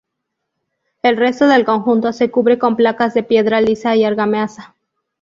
El resto del conjunto se cubre con placas de piedra lisa y argamasa.